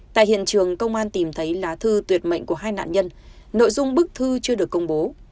tại hiện trường công an tìm thấy lá thư tuyệt mệnh của hai nạn nhân nội dung bức thư chưa được công bố